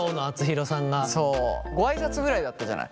ご挨拶ぐらいだったじゃない。